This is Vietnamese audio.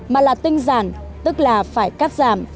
mà là tinh giản tức là phải cắt giảm